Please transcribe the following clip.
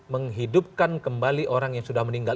menghidupkan kembali orang yang sudah meninggal